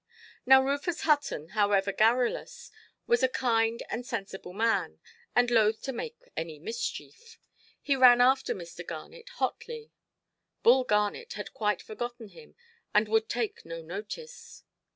Now Rufus Hutton, however garrulous, was a kind and sensible man, and loth to make any mischief. He ran after Mr. Garnet, hotly. Bull Garnet had quite forgotten him, and would take no notice.